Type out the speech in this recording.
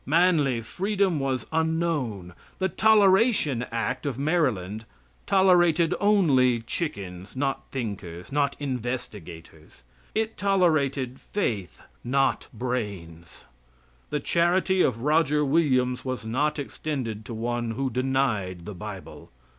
Manly freedom was unknown. The toleration act of Maryland tolerated only chickens, not thinkers, not investigators. It tolerated faith, not brains. The charity of Roger Williams was not extended to one who denied the bible.